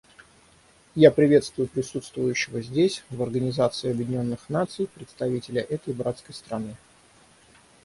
Я приветствую присутствующего здесь, в Организации Объединенных Наций, представителя этой братской страны.